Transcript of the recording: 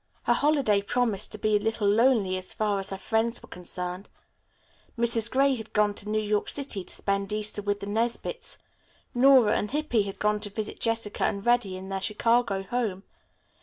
Her holiday promised to be a little lonely as far as her friends were concerned. Mrs. Gray had gone to New York City to spend Easter with the Nesbits. Nora and Hippy had gone to visit Jessica and Reddy in their Chicago home.